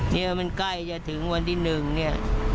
เนี่ยมันใกล้จะถึงวันที่๑เนี่ย